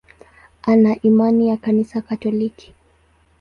Ana imani ya Kanisa Katoliki.